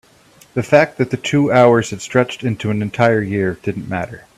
the fact that the two hours had stretched into an entire year didn't matter.